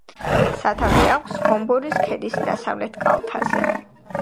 სათავე აქვს გომბორის ქედის დასავლეთ კალთაზე.